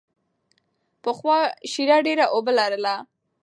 پخوا شیره ډېره اوبه لرله.